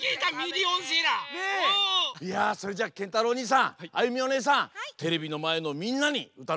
いやそれじゃあけんたろうおにいさんあゆみおねえさんテレビのまえのみんなにうたのプレゼント